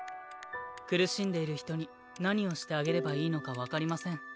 苦しんでいる人に何をしてあげればいいのか分かりません。